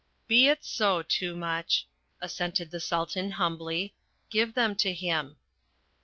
"Be it so, Toomuch," assented the Sultan humbly. "Give them to him."